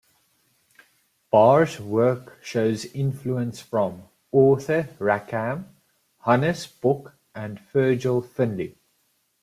Barr's work shows influences from Arthur Rackham, Hannes Bok and Virgil Finlay.